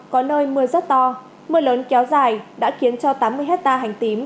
có nơi mưa rất to mưa lớn kéo dài đã khiến cho tám mươi hectare hành tím